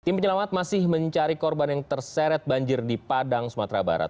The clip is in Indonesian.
tim penyelamat masih mencari korban yang terseret banjir di padang sumatera barat